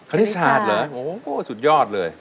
คณิตศาสตร์เหรอโอ้โหสุดยอดเลย